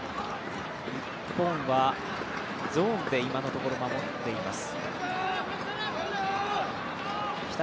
日本はゾーンで今のところ、守っています。